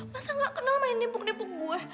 masa nggak kenal main nebuk nebuk buah